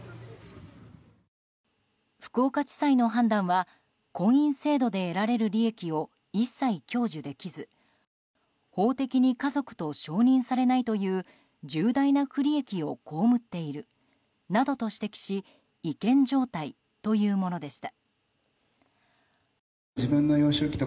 福岡地裁の判断は婚姻制度で得られる利益を一切享受できず法的に家族と承認されないという重大な不利益を被っているなどと指摘し違憲状態というものでした。